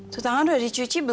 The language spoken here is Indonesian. tuh tangan udah dicuci belum